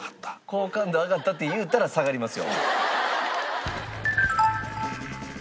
「好感度上がった？」って言うたら下がりますよ。